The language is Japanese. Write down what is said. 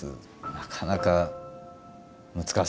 なかなか難しいです。